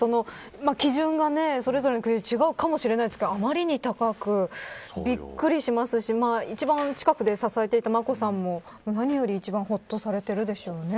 基準がそれぞれの国で違うかもしれないですけどあまりに高く、びっくりしますし一番近くで支えていた眞子さんも何より一番ほっとされているでしょうね。